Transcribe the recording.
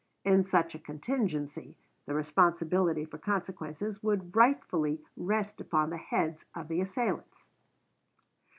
In such a contingency the responsibility for consequences would rightfully rest upon the heads of the assailants."